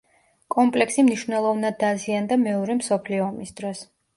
კომპლექსი მნიშვნელოვნად დაზიანდა მეორე მსოფლიო ომის დროს.